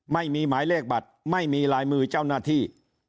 ไม่มีหมายเลขบัตรไม่มีลายมือเจ้าหน้าที่